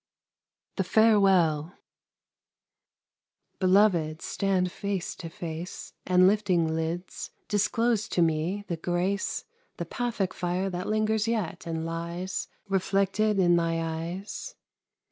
THE FAREWELL Beloved, stand face to face, And, lifting lids, disclose to me the grace, The Paphic fire that lingers yet and lies Reflected in thy eyes.